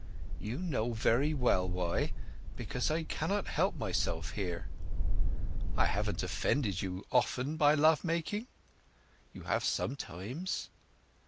"You know very well why. Because I cannot help myself here." "I haven't offended you often by love making?" "You have sometimes."